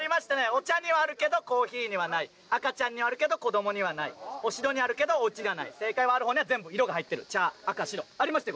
お茶にはあるけどコーヒーにはない赤ちゃんにあるけど子どもにはないお城にあるけどおうちにはない正解はある方には全部色が入ってる茶赤白ありましたよ